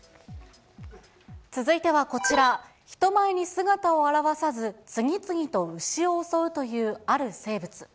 続いてはこちら、人前に姿を現さず、次々と牛を襲うというある生物。